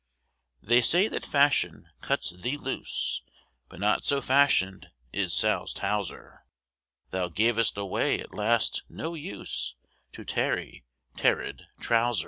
They say that fashion cuts thee loose, But not so fashioned is Sal's Towser; Thou gavest away at last, no use To tarry, tearèd trouser.